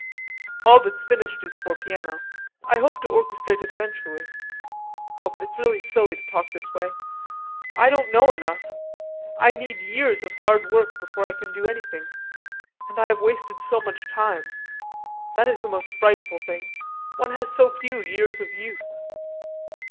"All that's finished is for piano. I hope to orchestrate it eventually.... Oh, but it's really silly to talk this way. I don't know enough.... I need years of hard work before I can do anything.... And I have wasted so much time.... That is the most frightful thing. One has so few years of youth!"